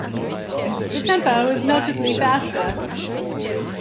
The tempo is notably faster.